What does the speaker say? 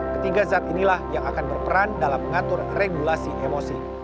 ketiga zat inilah yang akan berperan dalam mengatur regulasi emosi